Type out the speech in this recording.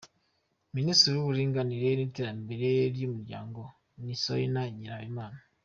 Ministre w’uburinganire n’iterambere ry’umuryango ni Solina Nyirahabimana